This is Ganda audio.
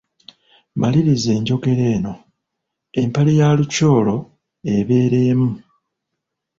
Maliriza enjogera eno; empale ya lukyolo ebeera emu.